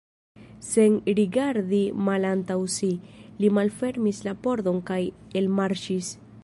Sen rigardi malantaŭ si, li malfermis la pordon kaj elmarŝis.